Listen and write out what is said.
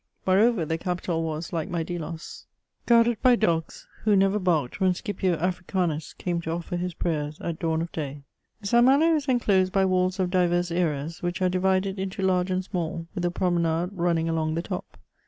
Moreover the Capitol was, Uke my Delos, CHATEAUBRIAND. 67 guarded by dogs who never barked when Scipio Africanus came to offer his prayers at dawn of day. St. Malo is enclosed by walls of divers eras, which are divided into large and small, with a promenade running along the top.